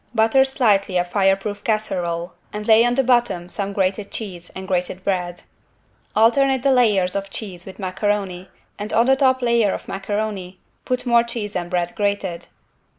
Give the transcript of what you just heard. Butter slightly a fireproof casserole and lay on the bottom some grated cheese and grated bread. Alternate the layers of cheese with macaroni and on the top layer of macaroni put more cheese and bread grated.